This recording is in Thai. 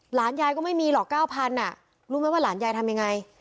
หลานยายก็ไม่มีหรอก๙๐๐รู้ไหมว่าหลานยายทำยังไง